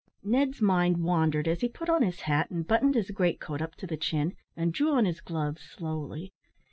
Ned's mind wandered as he put on his hat, and buttoned his great coat up to the chin, and drew on his gloves slowly.